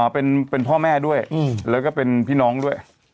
เป็นพ่อแม่ด้วยแล้วก็เป็นพี่น้องด้วย